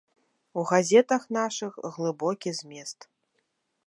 У газетах нашых глыбокі змест.